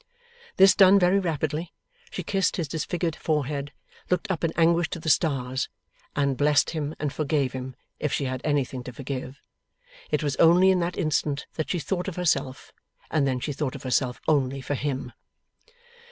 This done very rapidly, she kissed his disfigured forehead, looked up in anguish to the stars, and blessed him and forgave him, 'if she had anything to forgive.' It was only in that instant that she thought of herself, and then she thought of herself only for him.